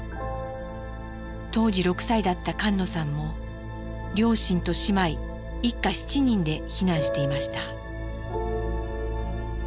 当時６歳だった菅野さんも両親と姉妹一家７人で避難していました。